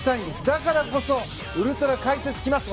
だからこそウルトラ解説、来ます。